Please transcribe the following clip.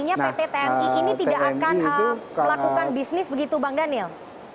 artinya pt tmi ini tidak akan melakukan bisnis begitu bang daniel